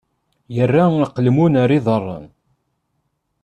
Yerra aqelmun ar iḍaṛṛen!